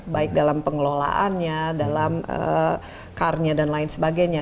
baik dalam pengelolaannya dalam karnya dan lain sebagainya